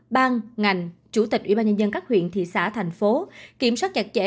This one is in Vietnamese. bang ngành chủ tịch ubnd các huyện thị xã thành phố kiểm soát chặt chẽ